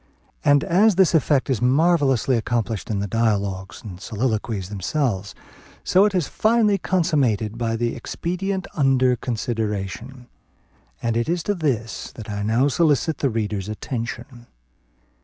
And, as this effect is marvellously accomplished in the dialogues and soliloquies themselves, so it is finally consummated by the expedient under consideration; and it is to this that I now solicit the reader's attention.